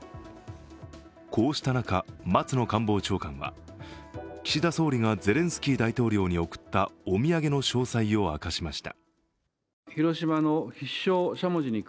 こうした中、松野官房長官は岸田総理がゼレンスキー大統領に送ったお土産の詳細を明かしました。